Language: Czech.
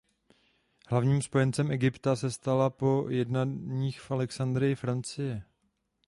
Hlavním spojencem Egypta se stala po jednáních v Alexandrii Francie.